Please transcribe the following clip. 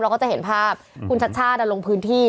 เราก็จะเห็นภาพคุณชัดลงพื้นที่